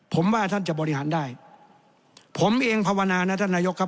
ผมว่าท่านจะบริหารได้ผมเองภาวนานะท่านนายกครับ